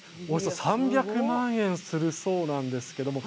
およそ３００万円するそうなんです。